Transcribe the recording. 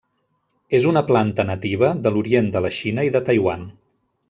És una planta nativa de l'orient de la Xina i de Taiwan.